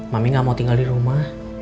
mami gak mau tinggal di rumah